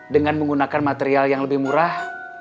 dengan menggunakan material yang lebih murah